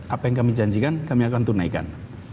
apa yang kami janjikan kami akan tunaikan